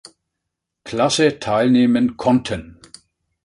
Klasse teilnehmen konnten.